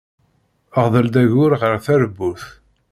Ɣḍel-d agur ɣer terbut.